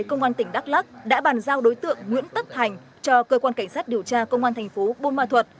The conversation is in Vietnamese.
công an tỉnh đắk lắc đã bàn giao đối tượng nguyễn tất thành cho cơ quan cảnh sát điều tra công an thành phố bôn ma thuật